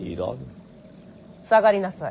下がりなさい。